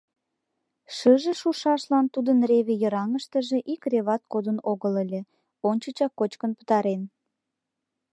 Шыже шушашлан тудын реве йыраҥыштыже ик реват кодын огыл ыле: ончычак кочкын пытарен.